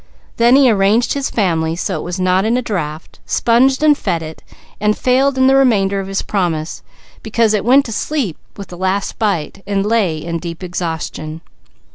Then he arranged his family so it was not in a draft, sponged and fed it, and failed in the remainder of his promise, because it went to sleep with the last bite and lay in deep exhaustion.